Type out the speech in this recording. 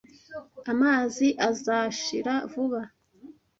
Amazi azashira vuba.